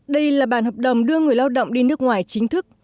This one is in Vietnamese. đây là bàn hợp đồng đưa người lao động đi nước ngoài chính thức